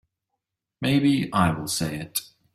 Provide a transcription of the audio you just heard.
Maybe I will say it.